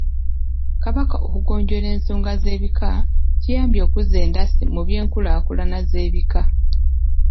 Kabaka okugonjoola ensonga z'ebika kiyambye okuzza endasi mu by’enkulaakulana z’ebika.